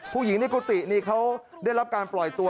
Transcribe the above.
ผู้หญิงในกุฏินี่เขาได้รับการปล่อยตัว